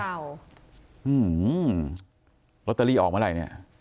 อื้อรถเตอรี่ออกมาไหนนี่